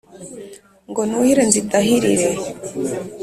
Ngo nuhire nzidahirir